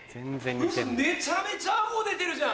めちゃめちゃ顎出てるじゃん